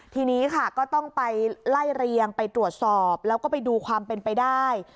ทีนี้ค่ะก็ต้องไปไล่เรียงไปตรวจสอบแล้วก็ไปดูความเป็นไปได้